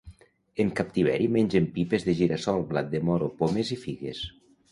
En captiveri mengen pipes de gira-sol, blat de moro, pomes i figues.